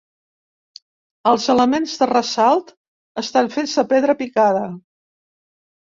Els elements de ressalt estan fets de pedra picada.